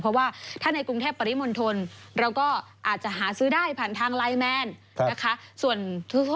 เพราะว่าถ้าในกรุงแทพปริมนธนภาพ